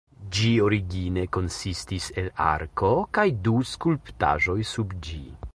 Ĝi origine konsistis el arko kaj du skulptaĵoj sub ĝi.